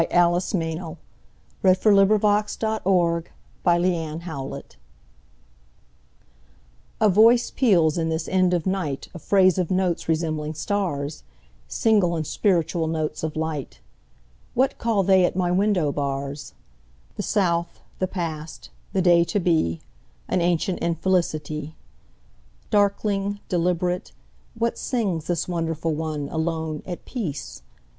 1920. Alice Meynell1847–1922 A Thrush before Dawn A VOICE peals in this end of nightA phrase of notes resembling stars, Single and spiritual notes of light. What call they at my window bars? The South, the past, the day to be, An ancient infelicity. Darkling, deliberate, what singsThis wonderful one, alone, at peace?